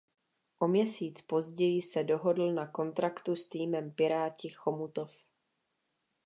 O měsíc později se dohodl na kontraktu s týmem Piráti Chomutov.